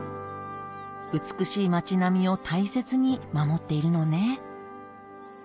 美しい町並みを大切に守っているのね